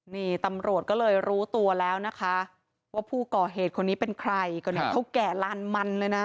นี่ตำรวจก็เลยรู้ตัวแล้วนะคะว่าผู้ก่อเหตุคนนี้เป็นใครก็เนี่ยเขาแก่ลานมันเลยนะ